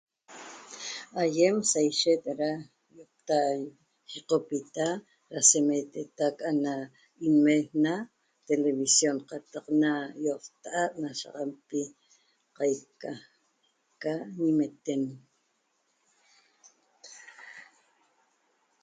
Aiem saishet ra ioqta ñicopita ra semetetac ana nmeena television qataq na iotta'at na'ashaxanpi qaica ca ñimeten